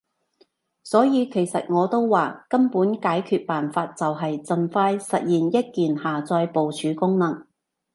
所以其實我都話，根本解決辦法就係儘快實現一鍵下載部署功能